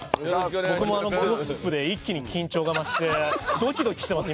僕もあのゴシップで一気に緊張が増してドキドキしてます